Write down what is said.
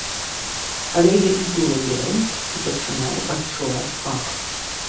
Але я іду лабірынт і пачынаю адчуваць пах.